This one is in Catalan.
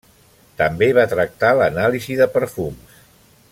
També va tractar l'anàlisi de perfums.